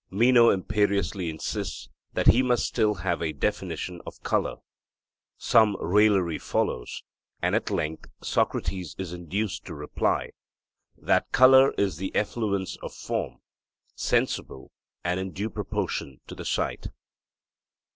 Meno imperiously insists that he must still have a definition of colour. Some raillery follows; and at length Socrates is induced to reply, 'that colour is the effluence of form, sensible, and in due proportion to the sight.'